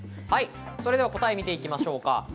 それでは答えを見ていきましょう。